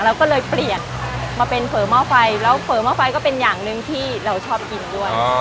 เราก็เลยเปลี่ยนมาเป็นเฝอหม้อไฟแล้วเผลอหม้อไฟก็เป็นอย่างหนึ่งที่เราชอบกินด้วย